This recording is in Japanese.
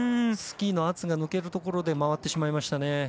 スキーの圧が抜けるところで回ってしまいましたね。